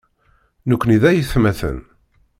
Nekkni d aytmaten.